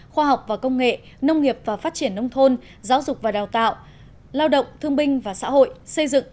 khoa học và công nghệ nông nghiệp và phát triển nông thôn giáo dục và đào tạo lao động thương binh và xã hội xây dựng